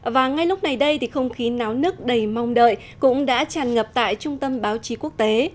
và ngay lúc này đây thì không khí náo nước đầy mong đợi cũng đã tràn ngập tại trung tâm báo chí quốc tế